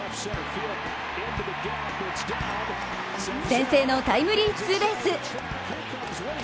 先制のタイムリーツーベース！